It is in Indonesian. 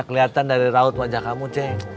kelihatan dari raut wajah kamu cek